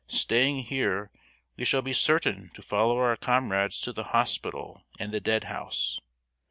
Staying here we shall be certain to follow our comrades to the hospital and the dead house.